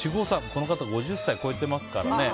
この方は５０歳を超えてますからね。